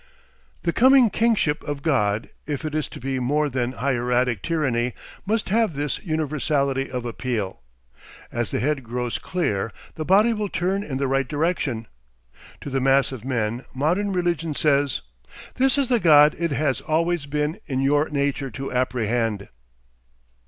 The coming kingship of God if it is to be more than hieratic tyranny must have this universality of appeal. As the head grows clear the body will turn in the right direction. To the mass of men modern religion says, "This is the God it has always been in your nature to apprehend."